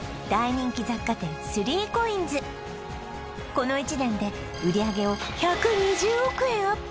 この１年で売上を１２０億円アップ